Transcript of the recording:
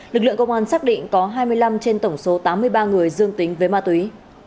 lực lượng công an xác định có hai mươi năm trên tổng số tám mươi ba người dương tính với ma túy